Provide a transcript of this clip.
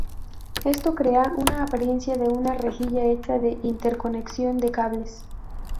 Esto crea una apariencia de una rejilla hecha de interconexión de cables.